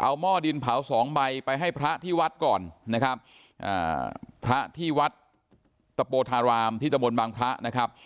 เอาหม้อดินเผาสองใบไปให้พระที่วัดก่อนนะครับอ่าพระที่วัดตะโปธารามที่ตะบนบางพระนะครับ